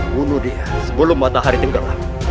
bunuh dia sebelum matahari tenggelam